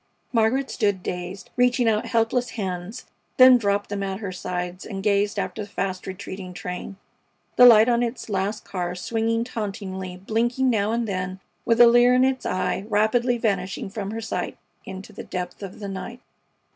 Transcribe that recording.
Margaret stood dazed, reaching out helpless hands, then dropped them at her sides and gazed after the fast retreating train, the light on its last car swinging tauntingly, blinking now and then with a leer in its eye, rapidly vanishing from her sight into the depth of the night.